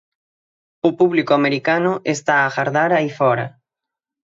O público americano está a agardar aí fóra.